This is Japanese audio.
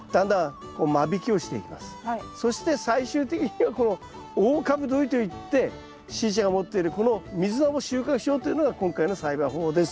そして最終的にはこの大株どりといってしーちゃんが持っているこのミズナを収穫しようというのが今回の栽培方法です。